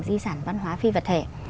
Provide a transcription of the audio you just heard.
di sản văn hóa phi vật thể